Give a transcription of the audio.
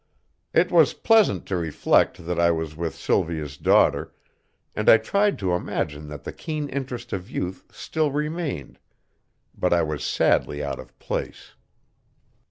It was pleasant to reflect that I was with Sylvia's daughter, and I tried to imagine that the keen interest of youth still remained, but I was sadly out of place.